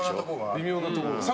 微妙なところですね。